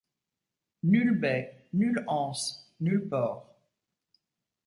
Nulle baie, nulle anse, nul port.